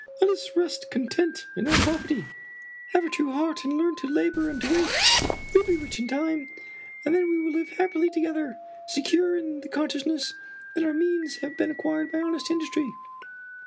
Let us rest content in our poverty. Have a true heart, and learn to labor and to wait. You will be rich in time; and then we will live happily together, secure in the con sciousness that our means have been acquired by honest industry.